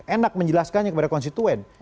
enak menjelaskannya kepada konstituen